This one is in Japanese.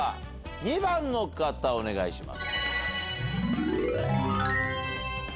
２番の方お願いします。